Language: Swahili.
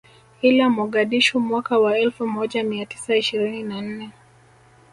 Ila Mogadishu mwaka wa elfu moja mia tisa ishirini na nne